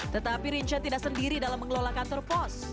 tetapi rinca tidak sendiri dalam mengelola kantor pos